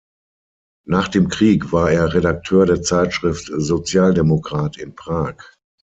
Nach dem Krieg war er Redakteur der Zeitschrift "Sozialdemokrat" in Prag.